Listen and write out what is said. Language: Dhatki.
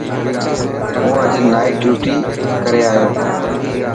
هون اڄ نائٽ ڊيوٽي ڪري آيو.